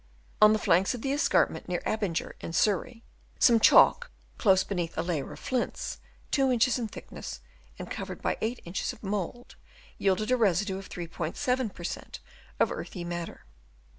On the flanks of the escarpment near Abinger in Surrey, some chalk close beneath a layer of flints, 2 inches in thickness and covered by 8 inches of mould, yielded a re sidue of 3*7 per cent, of earthy matter.